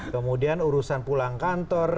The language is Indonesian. kemudian urusan pulang kantor